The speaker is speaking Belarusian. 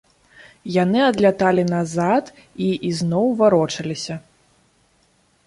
Яны адляталі назад і ізноў варочаліся.